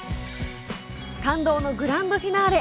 感動のグランドフィナーレ！